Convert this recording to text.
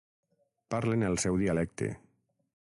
Parlen el seu dialecte.